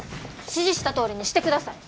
指示したとおりにしてください。